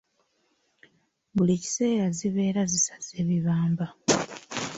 Buli kiseera zibeera zisaze ebibamba.